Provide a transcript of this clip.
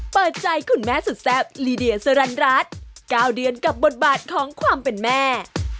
เปิดใจคุณแม่สุดแซ่บลีเดียสรรรัส๙เดือนกับบทบาทของความเป็นแม่